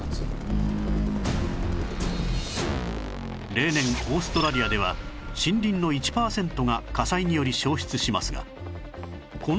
例年オーストラリアでは森林の１パーセントが火災により焼失しますが